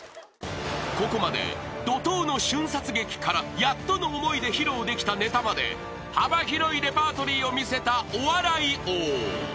［ここまで怒濤の瞬殺劇からやっとの思いで披露できたネタまで幅広いレパートリーを見せたお笑い王］